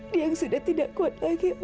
dia yang sudah tidak kuat lagi